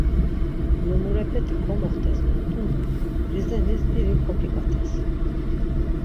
Lomurepeti komoxtes dort̆un do Rizenis iri koǩiǩates.